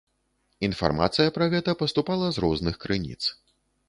Інфармацыя пра гэта паступала з розных крыніц.